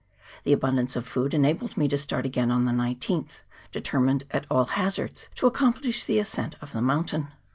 The abundance of food enabled me to start again on the 19th, determined, at all hazards, to accomplish the ascent of the mountain.